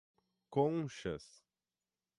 Conchas